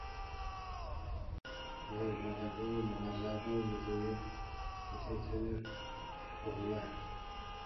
Лэжьыгъэ гуэр умыгъэзащӀэу мы дунейм утетыныр гугъуехьщ.